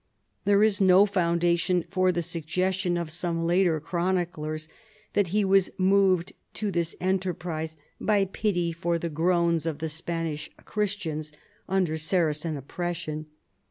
There is no foundation for the suff gestion of some later chroniclers that he was moved to this enterprise by pity for the groans of the Spanish Christians under Saracen oppression.